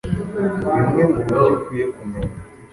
Bimwe mu byo ukwiye kumenya